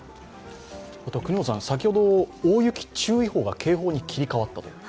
先ほど大雪注意報が警報に切り替わったと。